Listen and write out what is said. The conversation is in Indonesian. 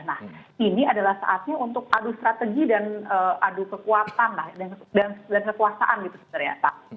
nah ini adalah saatnya untuk adu strategi dan adu kekuatan dan kekuasaan gitu sebenarnya